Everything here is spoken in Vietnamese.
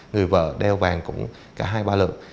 người vợ đeo vàng cũng cả hai ba lượng